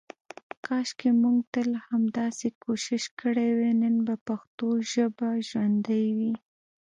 کاشکې مونږ تل همداسې کوشش کړی وای نن به پښتو ژابه ژوندی وی.